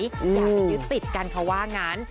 อย่าไปยึดติดกันเขาว่างั้น